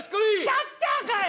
キャッチャーかい！